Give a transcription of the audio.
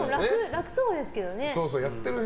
楽そうですけどね。